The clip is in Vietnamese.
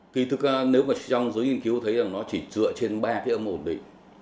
kỹ thức nếu mà trong giới nghiên cứu thấy là nó chỉ dựa trên ba cái âm ổn định